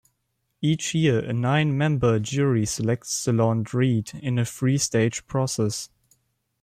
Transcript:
Each year, a nine-member jury selects the laureate in a three-stage process.